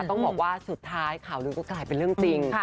ต้องบอกว่าสุดท้ายข่าวลือก็กลายเป็นเรื่องจริง